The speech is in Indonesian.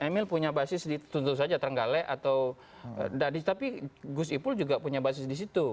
emil punya basis di tentu saja terenggalek atau tapi gus ipul juga punya basis di situ